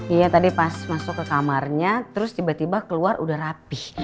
iya tadi pas masuk ke kamarnya terus tiba tiba keluar udah rapih